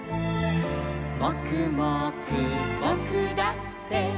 「もくもくぼくだって」